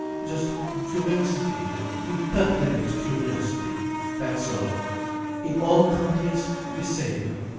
Just curiosity, impertinent curiosity. That's all. In all countries, the same.